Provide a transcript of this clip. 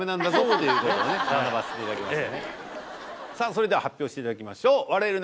それでは発表していただきましょう笑える！